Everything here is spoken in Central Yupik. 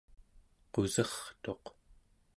qusertuq